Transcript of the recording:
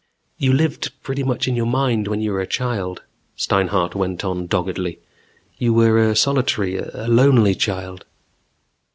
"You lived pretty much in your mind when you were a child," Steinhart went on doggedly. "You were a solitary, a lonely child."